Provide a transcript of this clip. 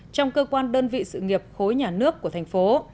trong cơ quan đơn vị sự nghiệp khối nhà nước của thành phố